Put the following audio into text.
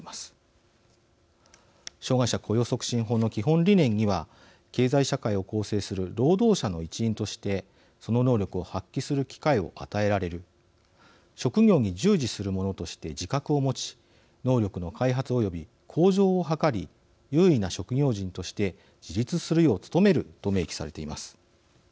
障害者雇用促進法の基本理念には経済社会を構成する労働者の一員としてその能力を発揮する機会を与えられる職業に従事する者として自覚を持ち能力の開発および向上を図り有為な職業人として自立するよう努めると明記されています。